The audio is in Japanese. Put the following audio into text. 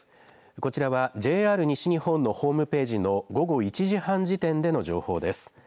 こちらはＪＲ西日本のホームページの午後１時半時点での情報です。